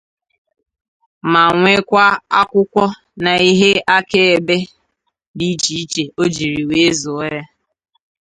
ma nwekwa akwụkwọ na ihe akaebe dị iche iche o jiri wee zụọ ya